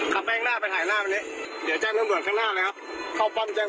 เข้าปั้มแจ้งบำรวดข้างหน้าเลยไม่ต้องยุ่ง